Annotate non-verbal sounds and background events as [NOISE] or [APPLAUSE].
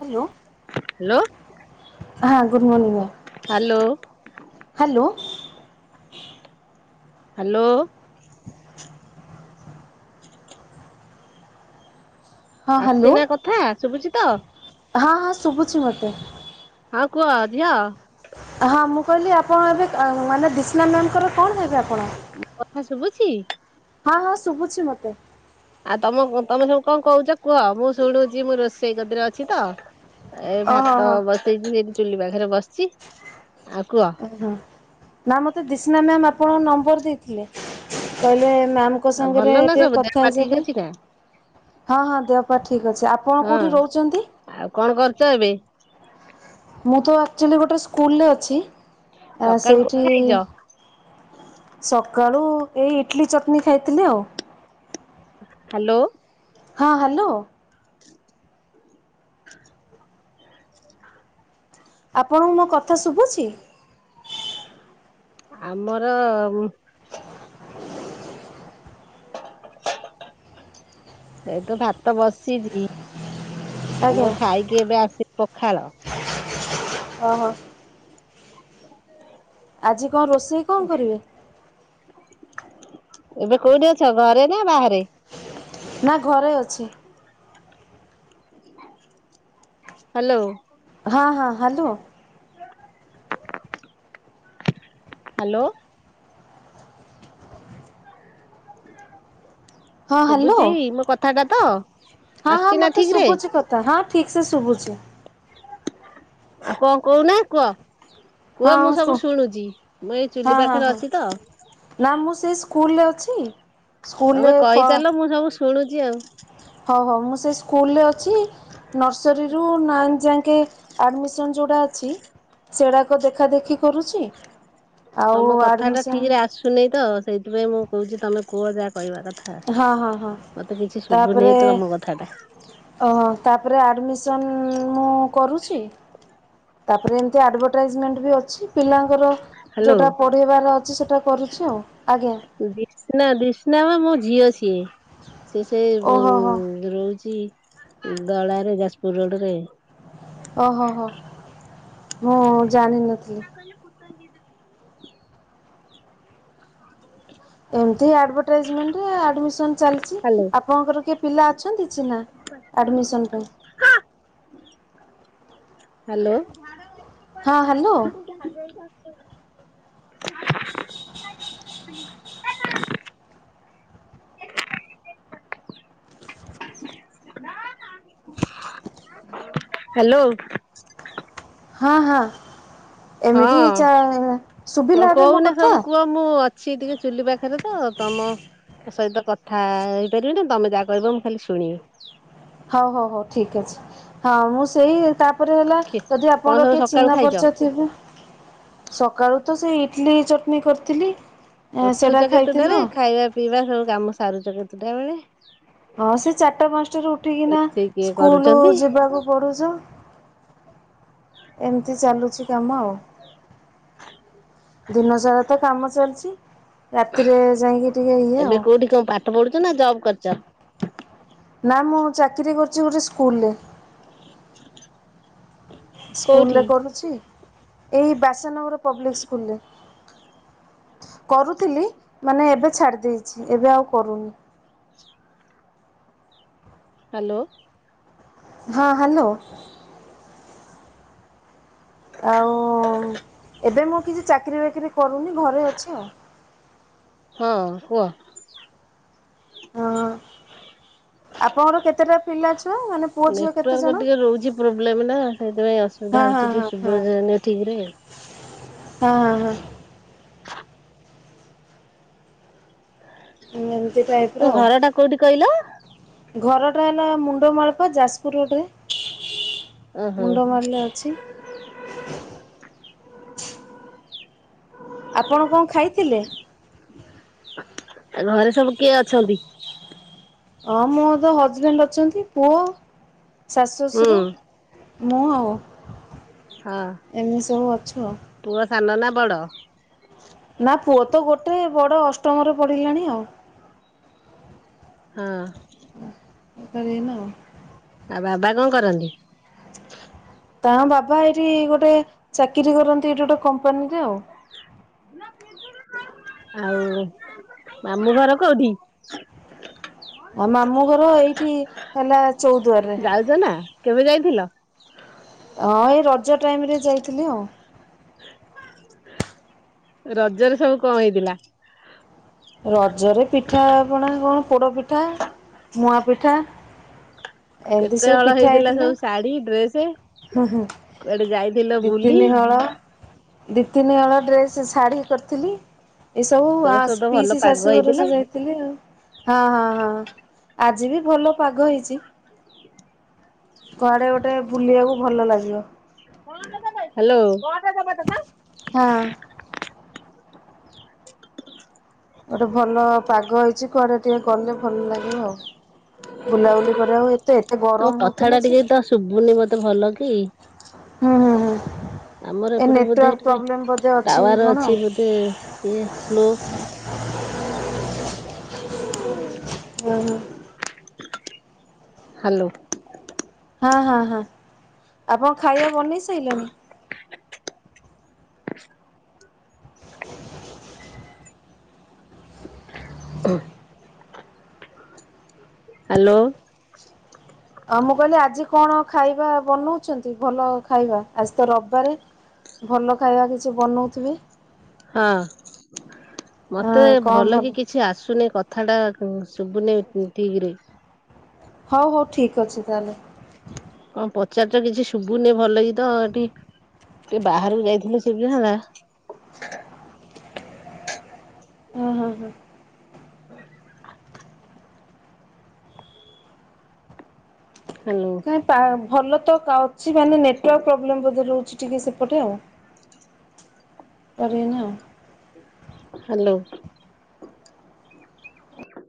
Hello hello. ହଁ good morning hello ma'am hello hello ହଁ hello ଆସୁଚିନା କଥା ଶୁବୁଚି ତ ହଁ ହଁ ଶୁବୁଚି ମତେ। ହଁ କୁଅ ଝିଅ। ହଁ ମୁଁ କହିଲି ଆପଣ ଏବେ କା-ମାନେ ଦି ସ୍ନା ମ୍ୟାମଙ୍କର କଣ ହେବେ ଆପଣ ହଁ କଥା ଶୁଭୁଛି? ହଁ ଶୁ ଶୁବୁଛି ମତେ। ଆଉ ତମ ତମେ ଯୋଉ କଣ କୋହୁଚ କୁହ ମୁଁ ଶୁଣୁଚି ମୁଁ ରୋଷେଇ କତିରେ ଅଛି ତ। ଏ ଓହୋ ଭାତ ହଁ ବସେଇଚି ସେଇଠି ଚୁଲି ପାଖରେ ବସିଚି। ଓହୋ ନା ମତେ ଦିସ୍ନା ମ୍ୟାମ ଆପଣଙ୍କ ନମ୍ବର ଦେଇଥିଲେ। କହିଲେ ମ୍ୟାମଙ୍କ ଆଉ ଭଲ ସାଙ୍ଗରେ ନା ଟିକେ ସବୁ ଦେହ କଥା ପା ହେଇ ଠିକ ଯିବାପାଇଁ, ଅଛି ନା? ହଁ ହଁ ଦେହପା ଠିକ ଅଛି ଆପଣ ହଁ କୋଉଠି ରହୁଚନ୍ତି? ଆଉ କଣ କରୁଛ ଏବେ ମୁଁ ତ ଆକ୍ଚୁଲି ଗୋଟେ ସ୍କୁଲ ଲେଅଛି। ଆଁ ସକାଳୁ କଣ ସେଇଠି ଖାଇଛ? ସକାଳୁ ଏଇ ଇଟିଲି ଚଟନୀ ଖାଇଥିଲି ଆଉ। ହାଲୋ। ହଁ ହାଲୋ। [INAUDIBLE] ଆପଣଙ୍କୁ ମୋ କଥା ଶୁବୁଚି? ଆମର ଉଂ ଏ ତ ଭାତ ବସିଚି। ଆଜ୍ଞା ମୁଁ ଖାଇକି ଏବେ ଆସି ପଖାଳ। ଓ ହୋ। [INAUDIBLE] ଆଜି କଣଁ ରୋଷେଇ କଣଁ କରିବେ? ଏବେ କୋଉଠି ଅଛ ଘରେ ନା ବାହାରେ? ନା ଘରେ ଅଛି ହାଲୋ। ହଁ ହଁ ହାଲୋ। ହାଲୋ? [INAUDIBLE] ହଁ ହାଲୋ, ଶୁଭୁଛି ମୋ କଥା ଟା ତ ହଁ ଆସୁଛି ହଁ ନା ମତେ ଠିକ ରେ ଶୁବୁଚି କଥା ହଁ ଠିକ ସେ ଶୁବୁଚି। ଆ କଣ କହୁନ କୁହ? କୁହ ମୁଁ ହଁ ସବୁ ସ୍କ, ଶୁଣୁଛି ମୁଁ ଏଇ ଚୁଲି ହଁ ହଁ ପାଖରେ ହଁ ଅଛି ତ ନା ମୁଁ ସେ ସ୍କୁଲଲେ ଅଛି। କି? ତମେ କହିଚାଲ ମୁଁ ସବୁ ଶୁଣୁ ଚି ଆଉ। ହୋଉ ହୋଉ ମୁଁ ସେ ସ୍କୁଲରେ ଅଛି ନର୍ସରୀରୁୁ ନାଇନ ଯାଏ। କେ ଆଡ଼ମିସନ ଯୋଉଟା ଅଛି ସୋଡାକ ଦେଖା ଦେଖି କରୁଛି ଆଉ ତମ କଥା ଟା ଆଡ଼ମିସନ୍ ଠିକ ରେ ଆସୁନି ତ ସେଇଥିପାଇଁ ମୁଁ କହୁଛି ତମେ କୁହ ଯାହା କହିବା କଥା ହଁ ହଁ ହଁ ମତେ କିଛି ତାପରେ ଶୁଭୁନି ତ ତମ କଥା ଟା ଅହଂ ତାପରେ ଆଡ଼ମିସନ୍ ମୁଁ କରୁଛି। ତାପରେମ ଅଡ୍‌ବାଟାଇଜମେଣ୍ଟ ବି ଅଛି। ଯୋଉଟା ହ୍ୟାଲୋ ପଢେଇବାର ଅଛି ସେଟା କରୁଛି ଆଉ ଆଜ୍ଞା। ଦିସ୍ନା ଦିସ୍ନା ବା ମୋ ଝିଅ ସିଏ। ସେ ସେ ଓହୋ ହୋ ରହୁଛି। ଗଳାରେ ଯାଜପୁର ରୋଡରେ। ଓ ହୋ ହୋ। ମୁଁ ଜାଣିିନଥିଲି। [INAUDIBLE] ଏମିତି ଆଡ଼ବ୍ଟାଈଜମେଣ୍ଟ ଆଡ଼ମିସନ ଚାଲିଛି ହ୍ୟାଲୋ ଆପଣଙ୍କର କିଏ ପିଲା ଅଛନ୍ତି ଚିହ୍ନା ଏଡ଼ମିଶନ ପାଇଁ। ହାଲୋ। ହଁ ହାଲୋ। [INAUDIBLE] ହାଲୋ। ହଁ ହଁ। ଏମିତି ହଁ ଚା ଶୁଭିଲା ଏବେ ମୋ କଥା। ଛି ଟିକି ଚୁଲିିପା ଖରେ ତ ତମ ସହିତ କଥା ହେଇପାରିବି ନା ତମେ ଯାହା କହିବ ମୁଁ ଖାଲି ଶୁଣିବି। ହୋଉ ହୋଉ ହୋଉ ଠିକ ଅଛି ହଁ ମୁଁ ସେଇ ତା ପରେ ହେଲା ଯଦି କଣ ଆପଣର ସବୁ କିଏ ସକାଳୁ ଚିହ୍ନା ଖାଇଛ? ପରିଚୟ ଥିବେ ସକାଳୁ ତ ସେ ଇଟିଲି କରିଥିଲି। ସେଟା ଉଠୁଛ ଖାଇଥିଲୁ। କେତୁଟାରେ ଖାଇବା ପିଇବା ସବୁ କାମ ସାରୁଛ କେତୁ ଦେବେଳେ ହଁ ସେ ଚାରିଟା ପାଞ୍ଚଟାରୁ ଉଠିକିନା ରୋଷେଇ କିଏ ସ୍କୁଲ କରୁଛନ୍ତି? ଯିବାକୁ ପଡୁଚୁ। ଏମିତି ଚାଲୁଛି। ସମୟ ଦିନସାରା ତ କାମ ଚାଲିଛି ରାତିରେ ଯାଇକି ଟିକେ ଇଏ ଏବେ ଆଉ। କୋଉଠି କଣ ପାଠ ପଢୁଛ ନା ଜବ୍ କରିଛ ନା ମୁଁ ଚାକିରି [UNINTELLIGIBLE] ସ୍କୁଲରେ କୋଉଠି? କରୁଛି ଏଇ ବାସନଗର ପବ୍ଲିକ ସ୍କୁଲରେ। କରୁଥିଲି ମାନେ ଏବେ ଛାଡି ଦେଇଛି ଏବେ ଆଉ କରୁନି। ହାଲୋ। ହଁ ହାଲୋ। ଆଉ ଏବେ ମୁଁ କିଛି ଚାକିରି ବାକିରି କରୁନି ଘରେ ଅଛି ଆଉ। ହଁ କୁହ ହଁ ଆପଣଙ୍କର କେତେଟା ପିଲା? ଛୁଆ ମାନେ ପୁଅ ଝିଅ କେତେ ନେଟୱାର୍କ ଜଣ? ଟିକେ ରହୁଛି ପ୍ରୋବ୍ଲେମ ନା ସେଥିପାଇଁ ଅସୁବିଧା ହଁ ହଉଛି ହଁ ଟିକେ ହଁ ହଁ ସୁବିଧା ହଉନି ଠିକ ରେ ହଁ ହଁ ହଁ ଏମିତି ଟାଇପ ର ତମ ଆଉ। ଘର ଟା କୋଉଠି କହିଲ? ଘରଟା ହେଲା ମୁଣ୍ଡ ମାଳପା ଯାଜପୁର ରୋଡରେ। ଓହୋ ମୁଣ୍ଡ ମାରିଲେ ଅଛି। [UNINTELLIGIBLE] ଆପଣ କଣ ଖାଇଥିଲେ? ଆ ଘରେ ସବୁ କିଏ ଅଛନ୍ତି? ହଁ ମୋ ତ ହଜବେଣ୍ଡ ଅଛନ୍ତି ପୁଅ ଶାଶୁ ହୁଁ ଶ୍ୱଶୁର ମୁଁ ଆଉ ହଁ। ଏମିତି ସବୁ ଅଛୁ ଆଉ। ବଡ଼? ନା ପୁଅ ତ ଗୋଟେ ବଡ଼ ଅଷ୍ଟମରେ ପଡ଼ିଲାଣି ଆଉ। ହଁ। ଏ ନା। ଆଉ ବାବା କଣ କରନ୍ତି? ତା ବାବା ଏଇଠି ଗୋଟେ ଚାକିରି କରନ୍ତି ଏଇଠି ଗୋଟେ କମ୍ପାନୀରେ ଆଉ। ଆଉ ମାମୁଁ ଘର କୋଉଠି? ଆ ମାମୁଁ ଘର ଏଇଠି ହେଲା ଚଉଦୁଆରରେ। ଯାଉଛ ନା କେବେ ଯାଇଥିଲ? ହଁ ଏ ରଜ ଟାଇମରେ ଯାଇଥିଲି ଆଉ। ରଜରେ ସବୁ କଣ ହେଇଥିଲା? ରଜରେ ପିଠା ଆ ପଣା କଣ? ପୋଡ ପିଠା ମୁଆ ପିଠା କେତେ ହଳ ହେଇଥିଲା ସବୁ ଶାଢୀ ଡ୍ରେସ? ହୁଁ ହୁଁ କୁଆଡେ ଯାଇଥିଲ ଦି ବୁଲି? ତିନି ହଳ। ଦିି ତିନି ହଳ। ଡ୍ରେସ୍ ଶାଢ଼ୀ କରିଥିଲି। ଏସବୁ ଏ ବର୍ଷ ତ ଭଲ ଆସ-ପିଇସି ପାଗ ଶାଶୁ ହେଇଥିଲା। ଘରକୁ ଯାଇଥିଲି ଆଉ ହଁ ହଁ ହଁ। ଆଜି ବି ଭଲ ପାଗ ହେଇଚି। କୁଆଡେ [INAUDIBLE] ବୁଲିବାକୁ ଭଲ ଲାଗିବ। ହ୍ୟାଲୋ ତମ [UNINTELLIGIBLE] ହଁ। [UNINTELLIGIBLE] ଗୋଟେ ଭଲ ପାଗ ହେଇଛି କୁଆଡେ ଟିକେ ଗଲେ ଭଲ ଲାଗିବ ଆଉ ବୁଲାବୁଲି କରିବାକୁ ଏତେ ଏତେ ଗରମ କଥା ଟା ହଉଥିଲା ଯେ। ଟିକେ ତ ଶୁଭୁନି ମତେ ଭଲ କି? ହୁଁ ହୁଁ ହୁଁ। ଆମର ଏ ଏପଟେ ବୋଧେ ନେଟୱାର୍କ ଟିକେ ପ୍ରୋବ୍ଲେମ୍ ବୋଧେ ଅଛି କି ଟାୱାର କଣ ଆଉ। ଅଛି ବୋଧେ ଇଏ ସ୍ଲୋ। [UNINTELLIGIBLE] [UNINTELLIGIBLE] [INAUDIBLE] [INAUDIBLE] ହାଲୋ। ହଁ ହଁ ହଁ। ଆପଣ ଖାଇବା ବନେଇ ସାଇଲେଣି? [INAUDIBLE] [INAUDIBLE] [UNINTELLIGIBLE] ହ୍ୟାଲୋ ଆଉ ମୁଁ କହିଲି ଆଜି କଣ ଖାଇବା ବନଉଛନ୍ତି ଭଲ ଖାଇବା ଆଜି ତ ରବିବାରେ ଭଲ ଖାଇବା କିଛି ବନଉଥିବେ। ହଁ [INAUDIBLE] ମତେ ଆଁ କଣ ଭଲ କି କିଛି ଆସୁନି କ ଥଣ୍ଡା ସୁୁବୁନି ଠିକରେ। ହଉ ହଉ ଠିକ ଅଛି ତାହେଲେ। [UNINTELLIGIBLE] କିଛି ଶୁଭୁନି ଭଲ କି ତ ଏଠି ଟିକେ ବାହାରକୁ ଯାଇଥିଲେ ସୁଗିଥନ୍ତା। ହୁଁ ହୁଁ ହୁଁ। [INAUDIBLE] ହ୍ୟାଲୋ [UNINTELLIGIBLE] ଭଲ ତ କା ବୁଝିପାରୁନି ନେଟୱାର୍କ ପବ୍ଲେମ୍ ବୋଧେ ରହୁଛି। ଟିକେ ସେପଟେ ଆଉ [INAUDIBLE] କରେନା [INAUDIBLE] ହାଲୋ [INAUDIBLE]